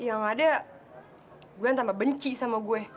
yang ada gue tambah benci sama gue